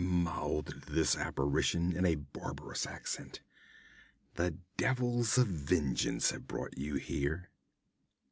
mouthed this apparition in a barbarous accent. 'The devils of vengeance have brought you here!'